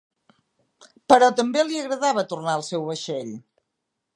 Però també li agradava tornar al seu vaixell.